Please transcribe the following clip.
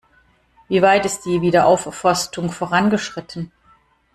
Wie weit ist die Wiederaufforstung vorangeschritten?